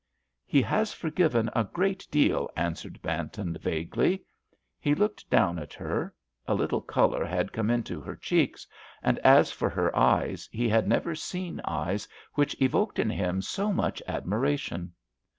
"He has forgiven a great deal," answered Manton, vaguely. He looked down at her—a little colour had come into her cheeks, and, as for her eyes, he had never seen eyes which evoked in him so much admiration.